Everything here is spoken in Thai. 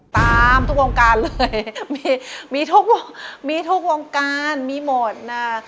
ตามทุกวงการเลยมีทุกวงการมีหมดนะ